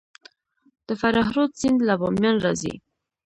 د فراه رود سیند له بامیان راځي